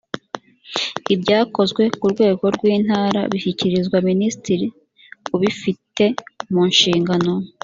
ibyakozwe ku rwego rw’ intara bishyikirizwa minisitiri ubifite mu nshingano